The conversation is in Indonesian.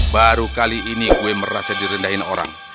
baru kali ini gue merasa direndahin orang